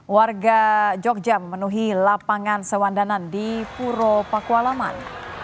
warga jogja memenuhi lapangan sewandanan di puro pakualaman